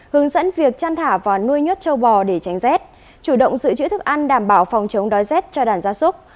hướng dẫn việc chăn thả và nuôi nhốt châu bò để tránh rét chủ động giữ chữ thức ăn đảm bảo phòng chống đói rét cho đàn gia súc